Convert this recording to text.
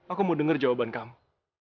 aku mau dengar jawaban kamu